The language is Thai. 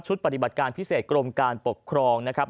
ปฏิบัติการพิเศษกรมการปกครองนะครับ